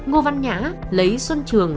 ngô văn nhã lấy xuân trường